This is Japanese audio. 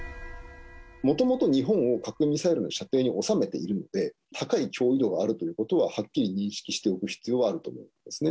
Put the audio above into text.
もともと日本を核ミサイルの射程に収めているので、高い脅威度があるということははっきり認識しておく必要はあると思うんですね。